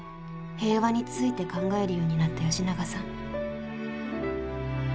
平和について考えるようになった吉永さん。